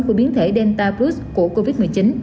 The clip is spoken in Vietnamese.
của biến thể delta bus của covid một mươi chín